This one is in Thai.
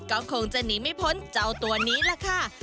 ก็คงจะหนีไม่พ้นเจ้าตัวนี้แหละค่ะ